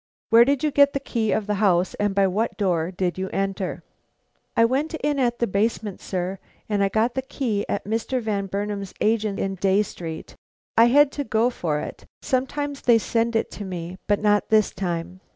"Where did you get the key of the house, and by what door did you enter?" "I went in at the basement, sir, and I got the key at Mr. Van Burnam's agent in Dey Street. I had to go for it; sometimes they send it to me; but not this time."